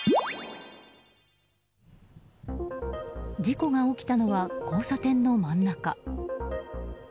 事故が起きたのは交差点の真ん中。